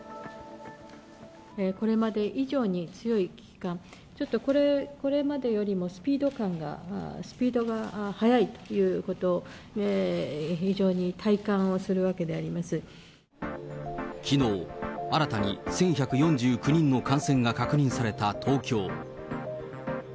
これまで以上に強い危機感、ちょっとこれまでよりもスピード感が、スピードが速いということ、きのう、新たに１１４９人の感染が確認された東京。